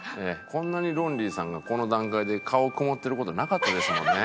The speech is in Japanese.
こんなにロンリーさんがこの段階で顔曇ってる事なかったですもんね。